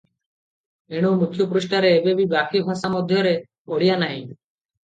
ଏଣୁ ମୁଖ୍ୟ ପୃଷ୍ଠାରେ ଏବେ ବି ବାକି ଭାଷା ମଧ୍ୟରେ ଓଡ଼ିଆ ନାହିଁ ।